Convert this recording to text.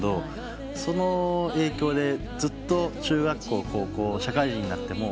その影響でずっと中学校高校社会人になっても。